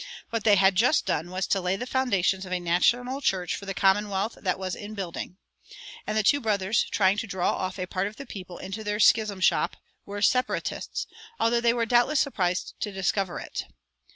What they had just done was to lay the foundations of a national church for the commonwealth that was in building. And the two brothers, trying to draw off a part of the people into their schism shop, were Separatists, although they were doubtless surprised to discover it.